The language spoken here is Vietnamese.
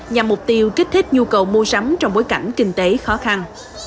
nhằm mục tiêu kích thích nhu cầu mua sắm trong bối cảnh kinh tế khó khăn